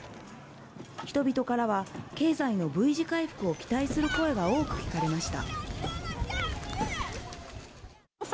人々からは、経済のＶ字回復を期待する声が多く聞かれました。